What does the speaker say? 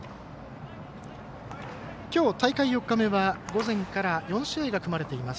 きょう、大会４日目は午前から４試合が組まれています。